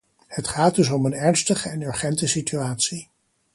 Het gaat dus om een ernstige en urgente situatie.